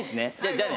じゃあね。